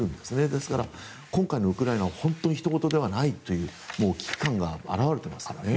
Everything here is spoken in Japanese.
だから、今回のウクライナは本当にひとごとではないという危機感が表れていますね。